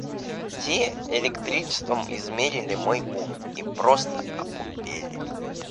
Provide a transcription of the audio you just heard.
Те электричеством измерили мой ум и просто опупели.